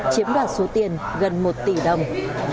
chiếm đoạt số tiền gần một tỷ đồng